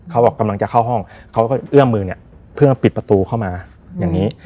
กำลังจะเข้าห้องเขาก็เอื้อมมือเนี่ยเพื่อปิดประตูเข้ามาอย่างนี้